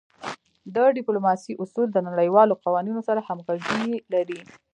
د ډیپلوماسی اصول د نړیوالو قوانینو سره همږغي لری.